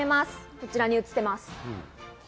こちらに映っています。